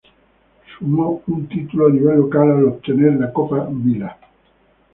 Sumó un título a nivel local al obtener la Copa Vila.